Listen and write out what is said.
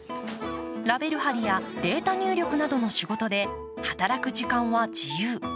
ラベル貼りやデータ入力などの仕事で、働く時間は自由。